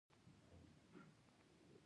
دا کار زما مخکې شوی دی.